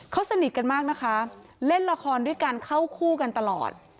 เขาสนิทกันมากนะคะเล่นละครด้วยกันเข้าคู่กันตลอด